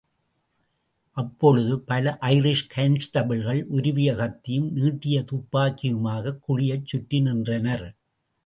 அப்பொழுது பல ஐரிஷ் கான்ஸ்டபிள்கள் உருவிய கத்தியும், நீட்டியதுப்பாக்கியுமாகக் குழியைச் சுற்றி நின்றனர்.